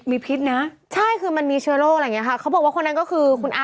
พี่ถอนหายใจเดี๋ยวแก่เราแม่นะ